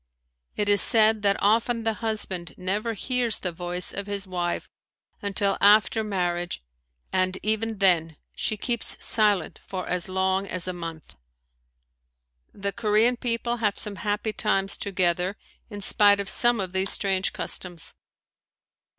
It is said that often the husband never hears the voice of his wife until after marriage and even then she keeps silent for as long as a month. The Korean people have some happy times together in spite of some of these strange customs.